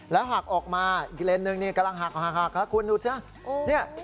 แล้วหักออกมาเลนส์หนึ่งนี้กำลังหักคุณดูสินะ